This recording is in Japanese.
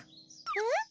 え？